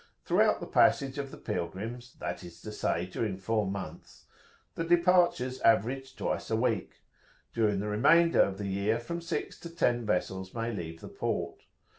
Throughout the passage of the pilgrims, that is to say, during four months, the departures average twice a week; during the remainder of the year from six to ten vessels may leave the port.